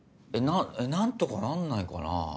何とかなんないかな？